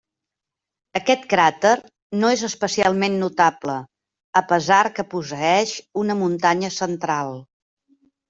Aquest cràter no és especialment notable, a pesar que posseeix una muntanya central.